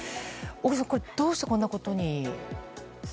小栗さんどうしてこんなことに？